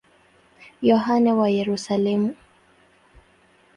Yohane wa Yerusalemu.